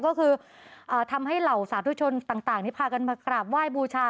ก็คือทำให้เหล่าสาธุชนต่างที่พากันมากราบไหว้บูชา